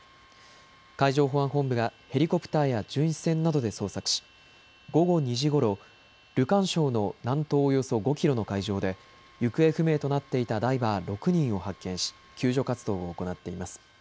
海上保安本部がヘリコプターや巡視船などで捜索し午後２時ごろ、ルカン礁の南東およそ５キロの海上で行方不明となっていたダイバー６人を発見し救助活動を行っています。